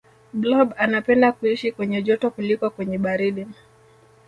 blob anapenda kuishi kwenye joto kuliko kwenye baridi